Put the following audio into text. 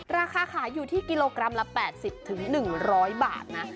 ราคาขายอยู่ที่กิโลกรัมละ๘๐๑๐๐บาทนะ